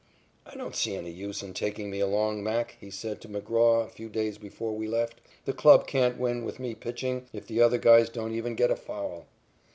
"I don't see any use in taking me along, Mac," he said to McGraw a few days before we left. "The club can't win with me pitching if the other guys don't even get a foul."